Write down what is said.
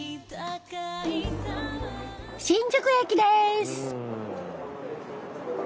新宿駅です。